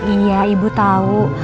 iya ibu tahu